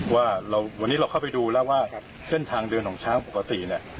ว่าวันนี้เราเข้าไปดูแล้วว่าเส้นทางเดินของช้างปกติเนี่ย